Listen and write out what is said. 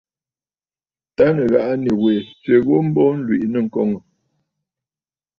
Tâ nɨ̀ghàꞌà nì wè tswe ghu mbo, ǹlwìꞌì nɨ̂ŋkoŋə̀.